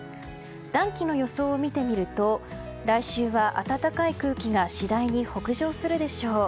暖気の予想を見てみると来週は暖かい空気が次第に北上するでしょう。